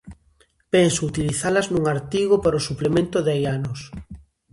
Penso utilizalas nun artigo para o Suplemento de hai anos.